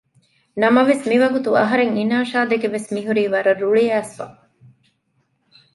ނަމަވެސް މިވަގުތު އަހަރެން އިނާޝާދެކެ ވެސް މިހުރީ ވަރަށް ރުޅިއައިސްފަ